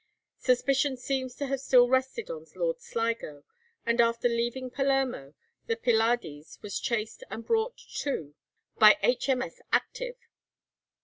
Suspicion seems to have still rested on Lord Sligo, and after leaving Palermo the 'Pylades' was chased and brought to by H.M.S. 'Active.'